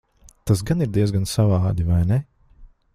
Tas gan ir diezgan savādi, vai ne?